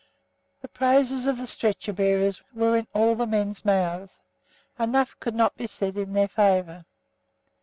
The praises of the stretcher bearers were in all the men's mouths; enough could not be said in their favour.